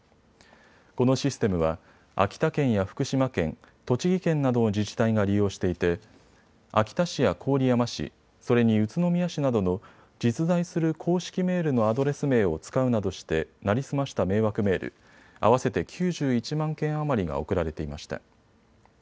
このシステムは秋田県や福島県、栃木県などの自治体が利用していて秋田市や郡山市、それに宇都宮市などの実在する公式メールのアドレス名を使うなどして成り済ました迷惑メール、合わせて９１万件余りが送られていました。